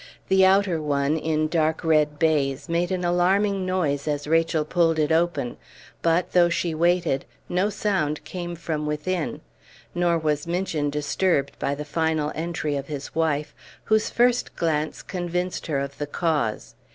The outer one, in dark red baize, made an alarming noise as Rachel pulled it open; but, though she waited, no sound came from within; nor was Minchin disturbed by the final entry of his wife, whose first glance convinced her of the cause.